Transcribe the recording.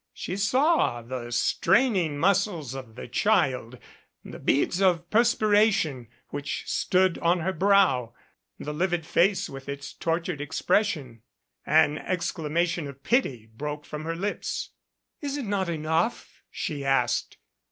She saw the straining muscles of the child, the beads of perspiration which stood on her brow, the livid face with its tortured expression. An exclamation of pity broke from her lips. "Is it not enough?" she asked.